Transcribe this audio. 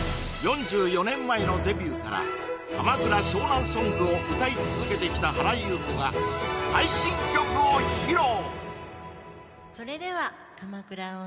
４４年前のデビューから鎌倉・湘南ソングを歌い続けきた原由子が最新曲を披露！